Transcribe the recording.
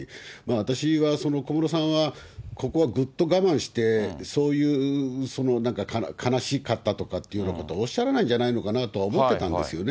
私は小室さんはここはぐっと我慢して、そういうなんか悲しかったとかというようなことをおっしゃらないのじゃないのかなと思ってたんですよね。